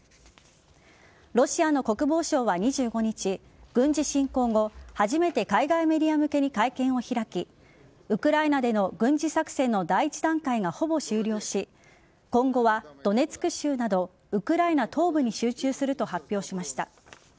ロシアの国防省は２５日軍事侵攻後、初めて海外メディア向けに会見を開きウクライナでの軍事作戦の第１段階がほぼ終了し今後はドネツク州などウクライナ東部に集中すると発表しました。